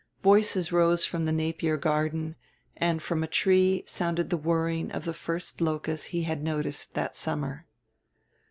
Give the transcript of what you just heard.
Voices rose from the Napier garden, and from a tree sounded the whirring of the first locust he had noticed that summer.